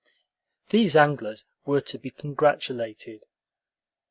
These anglers were to be congratulated.